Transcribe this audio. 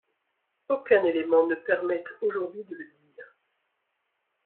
Aucun élément ne permet aujourd'hui de le dire.